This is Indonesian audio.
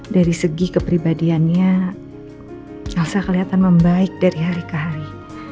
dari segi kepribadiannya rasa kelihatan membaik dari hari ke hari